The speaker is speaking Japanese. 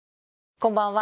こんばんは。